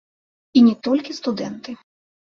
І не толькі студэнты.